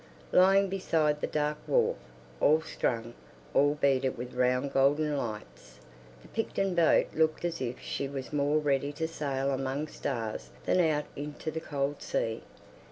Lying beside the dark wharf, all strung, all beaded with round golden lights, the Picton boat looked as if she was more ready to sail among stars than out into the cold sea.